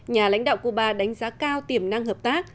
nhà lãnh đạo cuba đánh giá cao tiềm năng hợp tác